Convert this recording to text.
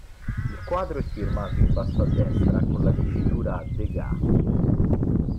Il quadro è firmato in basso a destra con la dicitura “Degas”.